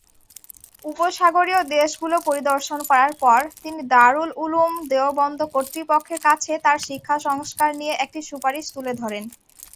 উপসাগরীয় দেশগুলো পরিদর্শন করার পর, তিনি দারুল উলুম দেওবন্দ কর্তৃপক্ষের কাছে তার শিক্ষা সংস্কার নিয়ে একটি সুপারিশ তুলে ধরেন।